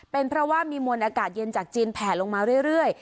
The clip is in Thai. เป็นเพราะว่ามีมวลอากาศเย็นจากจีนแผลลงมาเรื่อย